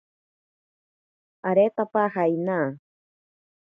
Aretapaja inaa.